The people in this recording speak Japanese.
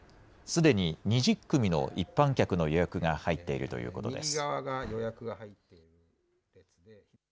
すでに２０組の一般客の予約が入っているということです。